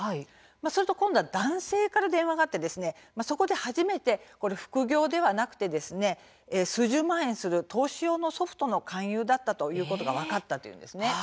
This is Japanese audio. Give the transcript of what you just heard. すると今度は男性から電話があってそこで初めて、副業ではなくて数十万円する投資用のソフトの勧誘だったことが分かったというんですね。